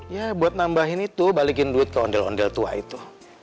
ya buat nambahin itu balikin duit ke ondel ondel tua itu